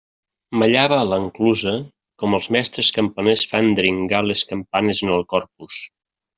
Mallava a l'enclusa com els mestres campaners fan dringar les campanes en el Corpus.